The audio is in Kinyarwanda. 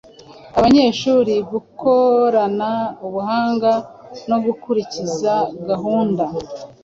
abanyeshuri gukorana ubuhanga no gukurikiza gahunda.